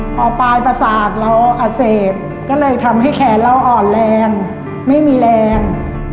พอปลายประสาทเราอักเสบก็เลยทำให้แขนเราอ่อนแรงไม่มีแรง